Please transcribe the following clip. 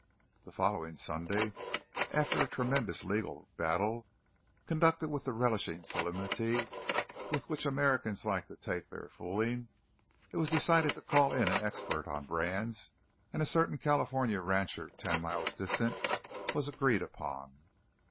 The following Sunday, after a tremendous legal battle, conducted with the relishing solemnity with which Americans like to take their fooling, it was decided to call in an expert on brands, and a certain California rancher ten miles distant was agreed upon.